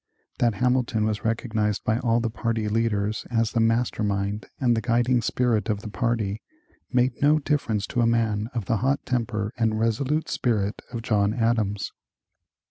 That Hamilton was recognized by all the party leaders as the master mind and the guiding spirit of the party made no difference to a man of the hot temper and resolute spirit of John Adams.